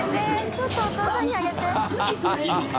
ちょっとお父さんにあげて森田）